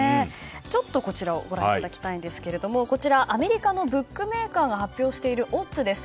こちらご覧いただきたいですがこちら、アメリカのブックメーカーが発表しているオッズです。